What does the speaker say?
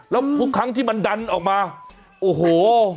แล้วทุกครั้งที่มันดันออกมาโอ้โห